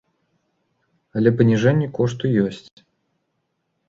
Але паніжэнне кошту ёсць.